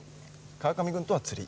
川上君とは釣り。